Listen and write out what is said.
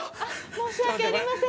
申し訳ありません